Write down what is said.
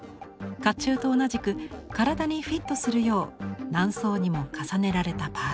甲冑と同じく体にフィットするよう何層にも重ねられたパーツ。